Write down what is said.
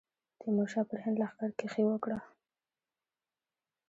تیمورشاه پر هند لښکرکښي وکړه.